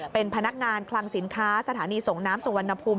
เป็นพนักงานคลังสินค้าสถานีส่งน้ำสุวรรณภูมิ